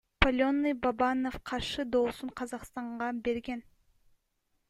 Паленый Бабановго каршы доосун Казакстанда берген.